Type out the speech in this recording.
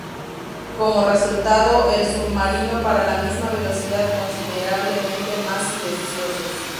Como resultado, el submarino para la misma velocidad considerablemente más silenciosos.